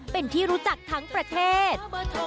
เป็นที่รู้จักทั้งประเทศ